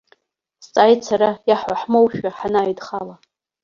Сҵааит сара, иаҳҳәоз ҳмоушәа ҳанааидхала.